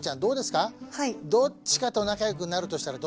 どっちかと仲良くなるとしたらどっち？